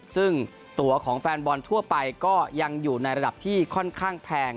ซึ่งตัวของแฟนบอลทั่วไปก็ยังอยู่ในระดับที่ค่อนข้างแพง